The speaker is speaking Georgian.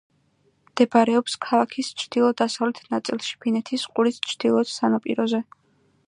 მდებარეობს ქალაქის ჩრდილო-დასავლეთ ნაწილში, ფინეთის ყურის ჩრდილოეთ სანაპიროზე.